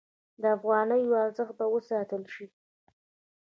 د افغانیو ارزښت به وساتل شي؟